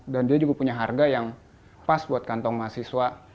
dan dia juga punya harga yang pas buat kantong mahasiswa